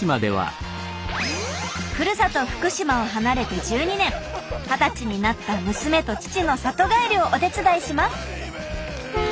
ふるさと福島を離れて１２年二十歳になった娘と父の里帰りをお手伝いします。